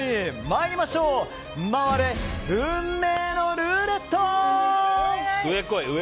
参りましょう回れ、運命のルーレット！